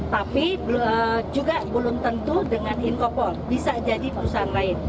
tapi juga belum tentu dengan incopol bisa jadi perusahaan lain